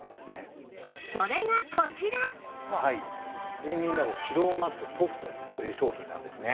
睡眠ＬａｂｏピローマットＳｏｆｔという商品なんですね。